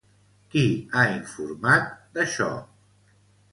Qui ha informat d'això?